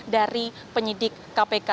dari penyidik kpk